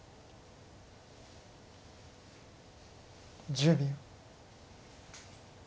１０秒。